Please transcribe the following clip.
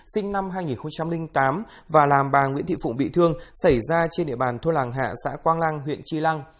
sinh năm hai nghìn tám và làm bà nguyễn thị phụng bị thương xảy ra trên địa bàn thôi làng hạ xã quang lăng huyện chi lăng